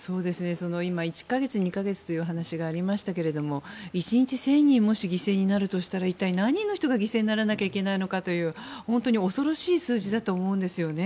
今、１か月や２か月という話がありましたが１日１０００人もし犠牲になるとしたら一体、何人の人が犠牲にならなくてはならないのかという本当に恐ろしい数字だと思います。